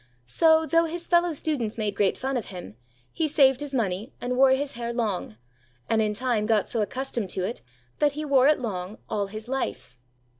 So, though his fellow students made great fun of him, he saved his money and wore his hair long, and in time got so accustomed to it, that he wore it long all his life.